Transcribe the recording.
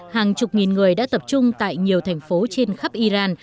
hàng chục nghìn người đã tập trung tại nhiều thành phố trên khắp iran